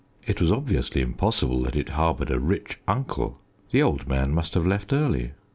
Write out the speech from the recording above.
It was obviously impossible that it harboured a rich uncle. The old man must have left early.